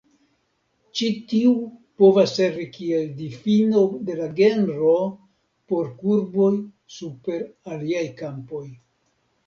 Ĉi tiu povas servi kiel difino de la genro por kurboj super aliaj kampoj.